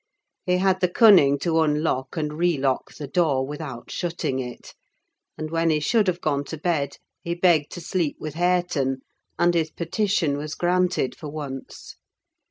He had the cunning to unlock and re lock the door, without shutting it; and when he should have gone to bed, he begged to sleep with Hareton, and his petition was granted for once.